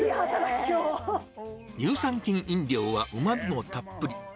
乳酸菌飲料はうまみもたっぷり。